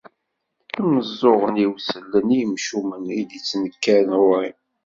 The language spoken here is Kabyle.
Imeẓẓuɣen-iw sellen i yimcumen i d-ittnekkaren ɣur-i.